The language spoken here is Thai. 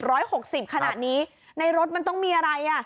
หกสิบขนาดนี้ในรถมันต้องมีอะไรอ่ะ